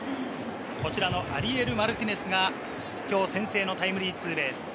アリエル・マルティネスが今日先制のタイムリーツーベース。